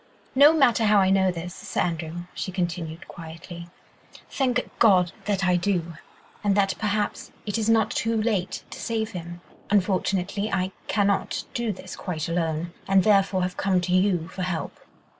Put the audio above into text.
"No matter how I know this, Sir Andrew," she continued quietly, "thank God that I do, and that perhaps it is not too late to save him. Unfortunately, I cannot do this quite alone, and therefore have come to you for help."